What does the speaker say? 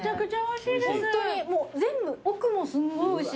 ホントに全部奥もすんごいおいしい。